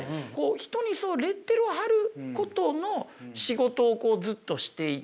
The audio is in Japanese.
人にそのレッテルを貼ることの仕事をずっとしていて。